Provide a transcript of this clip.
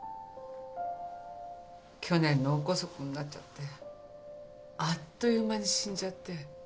去年脳梗塞になっちゃってあっという間に死んじゃって。